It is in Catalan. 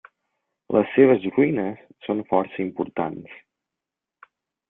Les seves ruïnes són força importants.